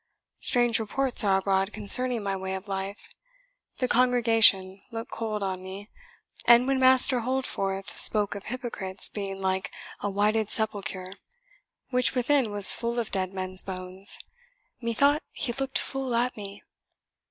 Strange reports are abroad concerning my way of life. The congregation look cold on me, and when Master Holdforth spoke of hypocrites being like a whited sepulchre, which within was full of dead men's bones, methought he looked full at me.